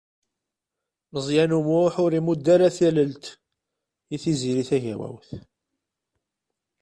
Meẓyan U Muḥ ur imudd ara tallelt i Tiziri Tagawawt.